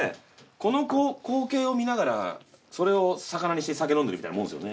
この光景を見ながらそれをさかなにして酒飲んでるみたいなもんですよね。